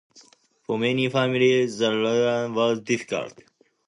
For many families the reunion was difficult.